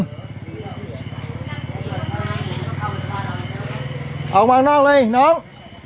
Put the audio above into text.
ออกมาข้างนอกเลยน้อง